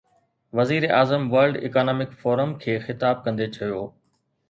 وزيراعظم World Economic Forum کي خطاب ڪندي چيو.